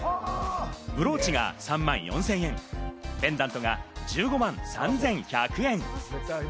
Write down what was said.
ブローチが３万４０００円、ペンダントが１５万３１００円。